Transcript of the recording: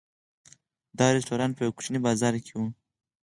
دا رسټورانټ په یوه کوچني بازار کې و.